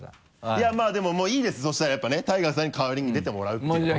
いやまぁでももういいですそしたらやっぱねＴＡＩＧＡさんに代わりに出てもらうっていうことでも。